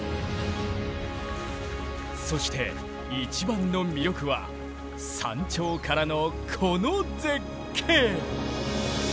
そして一番の魅力は山頂からのこの絶景！